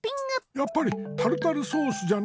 やっぱりタルタルソースじゃな。